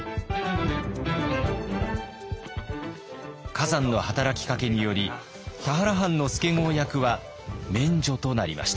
崋山の働きかけにより田原藩の助郷役は免除となりました。